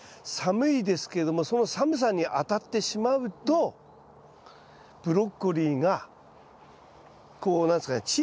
寒いですけれどもその寒さにあたってしまうとブロッコリーがこう何ですかね